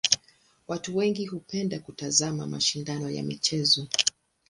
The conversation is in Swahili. Watu wengi hupenda kutazama mashindano ya michezo.